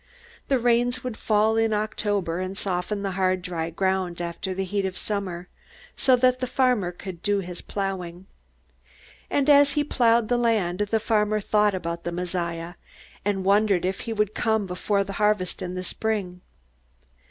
The rains would fall in October and soften the hard, dry ground after the heat of summer, so that the farmer could do his plowing. And as he plowed the land, the farmer thought about the Messiah, and wondered if he would come before the harvest in the spring.